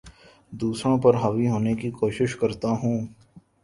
دوسروں پر حاوی ہونے کی کوشش کرتا ہوں